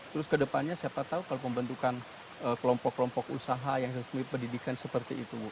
terus ke depannya siapa tahu kalau membentukkan kelompok kelompok usaha yang seperti pendidikan seperti itu